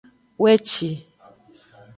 Weci.